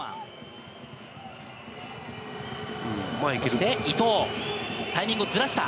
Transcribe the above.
そして伊藤、タイミングをずらした。